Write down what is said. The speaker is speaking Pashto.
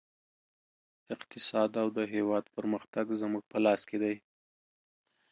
اقتصاد او د هېواد پرمختګ زموږ په لاس کې دی